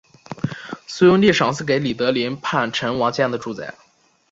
隋文帝赏赐给李德林叛臣王谦的住宅。